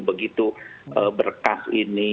begitu berkas ini